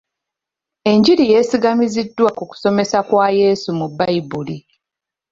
Enjiri yesigamiziddwa ku kusomesa kwa Yesu mu bayibuli.